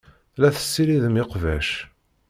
La tessiridem iqbac.